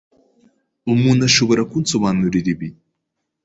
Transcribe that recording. Umuntu ashobora kunsobanurira ibi?